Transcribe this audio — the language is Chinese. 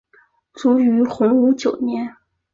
卒于洪武九年。